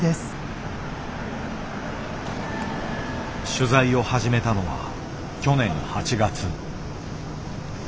取材を始めたのは去年８月。